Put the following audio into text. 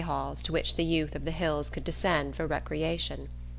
halls to which the youth of the hills could descend for recreation.